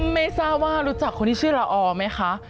ไม่ทราบว่ารู้จักคนที่ชื่อละอไหมคะ